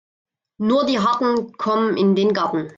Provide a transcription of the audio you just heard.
Nur die Harten kommen in den Garten.